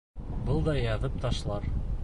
Был да яҙып ташлар.